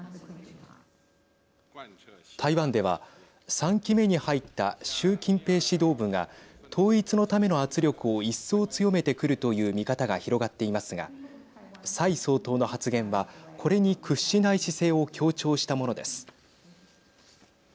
台湾では３期目に入った習近平指導部が統一のための圧力を一層強めてくるという見方が広がっていますが蔡総統の発言はこれに屈しない姿勢を強調したものです。